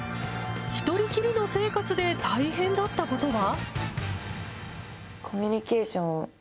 １人きりの生活で大変だったことは？